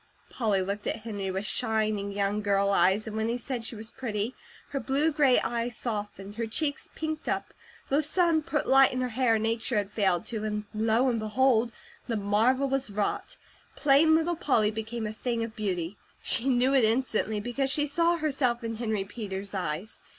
Polly looked at Henry with shining, young girl eyes, and when he said she was pretty, her blue gray eyes softened, her cheeks pinked up, the sun put light in her hair nature had failed to, and lo and behold, the marvel was wrought plain little Polly became a thing of beauty. She knew it instantly, because she saw herself in Henry Peters' eyes.